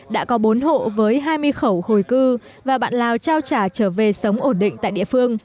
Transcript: đã có bốn hộ với hai mươi khẩu hồi cư và bạn lào trao trả trở về sống ổn định tại địa phương